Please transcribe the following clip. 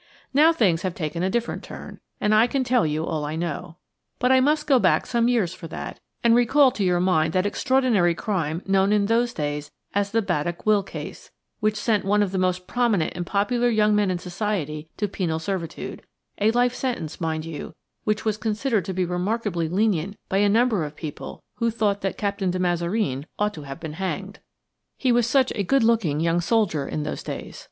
Now things have taken a different turn, and I can tell you all I know. But I must go back some years for that, and recall to your mind that extraordinary crime known in those days as the Baddock Will Case, which sent one of the most prominent and popular young men in Society to penal servitude–a life sentence, mind you, which was considered to be remarkably lenient by a number of people who thought that Captain de Mazareen ought to have been hanged. He was such a good looking young soldier in those days.